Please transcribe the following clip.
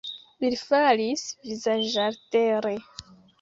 Ili falis vizaĝaltere.